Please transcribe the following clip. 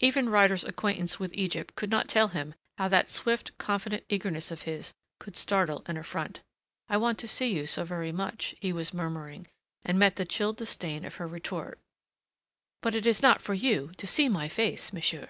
Even Ryder's acquaintance with Egypt could not tell him how that swift, confident eagerness of his could startle and affront. "I want to see you so very much," he was murmuring, and met the chill disdain of her retort, "But it is not for you to see my face, monsieur!"